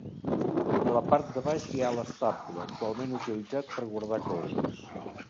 A la part de baix hi ha l'estable, actualment utilitzat per guardar coses.